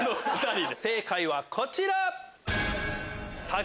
正解はこちら。